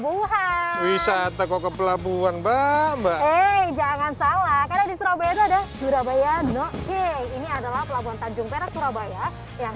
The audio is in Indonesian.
bahan wisata kok pelabuhan mbak jangan salah ini adalah pelabuhan tanjung perak surabaya yang